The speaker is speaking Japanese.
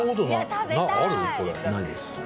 ないです。